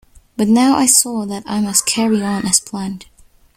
But now I saw that I must carry on as planned.